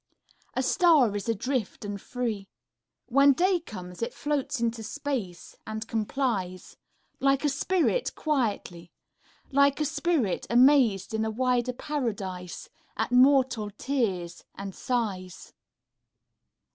A star is adrift and free. When day comes, it floats into space and com plies ; Like a spirit quietly, Like a spirit, amazed in a wider paradise At mortal tears and sighs.